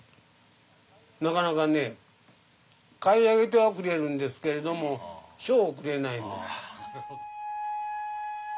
なかなかね買い上げてはくれるんですけれども賞をくれない。